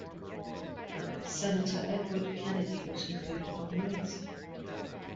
Senator Edward Kennedy was included on the list.